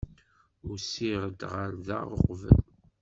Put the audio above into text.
Usiɣ-d ɣer da uqbel.